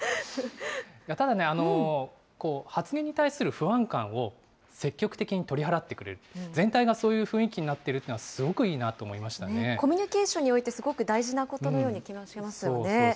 ただね、発言に対する不安感を、積極的に取り払ってくれる、全体がそういう雰囲気になっているというのはすごくいいなと思いコミュニケーションにおいてすごく大事なことのような気がしますよね。